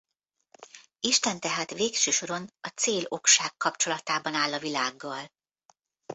Isten tehát végső soron a cél-okság kapcsolatában áll a világgal.